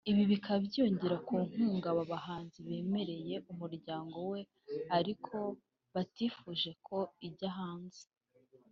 Ibi bikaba byiyongera ku nkunga aba bahanzi bemereye umuryango we ariko batifuje ko ijya hanze